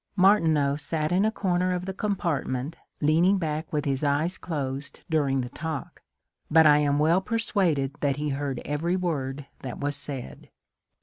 ^^ Martineau sat in a comer of the compart ment leaning back with his eyes closed during the talk, but I am well persuaded that he heard every word that was said."